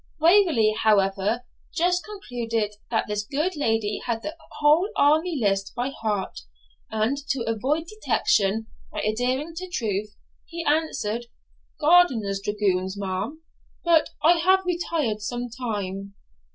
Waverley, however, justly concluded that this good lady had the whole army list by heart; and, to avoid detection by adhering to truth, answered, 'Gardiner's dragoons, ma'am; but I have retired some time.'